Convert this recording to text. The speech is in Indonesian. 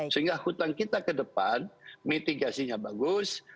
sehingga hutang kita ke depan mitigasinya bagus